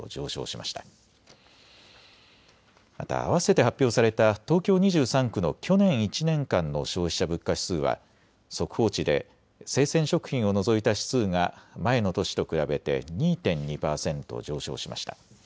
またあわせて発表された東京２３区の去年１年間の消費者物価指数は速報値で生鮮食品を除いた指数が前の年と比べて２．２％上昇しました。